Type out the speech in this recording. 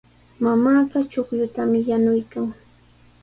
Mamaaqa chuqllutami yanuykan.